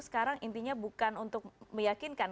sekarang intinya bukan untuk meyakinkan